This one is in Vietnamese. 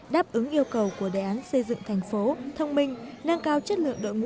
đáp ứng yêu cầu của đề án xây dựng thành phố thông minh nâng cao chất lượng đội ngũ